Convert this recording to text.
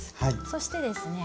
そしてですね